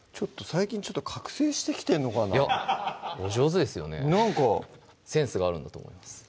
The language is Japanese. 最近覚醒してきてんのかなお上手ですよねなんかセンスがあるんだと思います